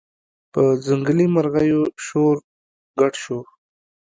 په ځنګلي مرغیو شور ګډ شو